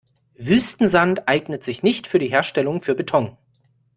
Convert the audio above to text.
Wüstensand eignet sich nicht für die Herstellung für Beton.